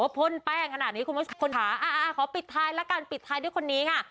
พ่นแป้งขนาดนี้คุณผู้ชมค่ะอ่าขอปิดท้ายแล้วกันปิดท้ายด้วยคนนี้ค่ะ